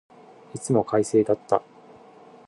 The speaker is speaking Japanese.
いつも快晴だった。